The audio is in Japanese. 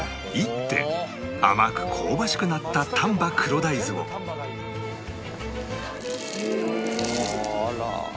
煎って甘く香ばしくなった丹波黒大豆をえっ！